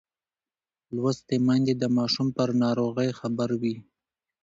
لوستې میندې د ماشوم پر ناروغۍ خبر وي.